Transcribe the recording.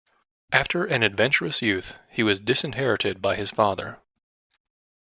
After an adventurous youth, he was disinherited by his father.